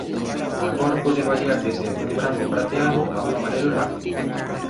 A cor pode variar desde un branco prateado a un amarelo lácteo.